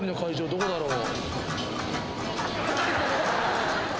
どこだろう？